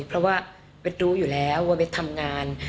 เพราะว่าเบ็ดรู้อยู่แล้วว่าเบสทำงาน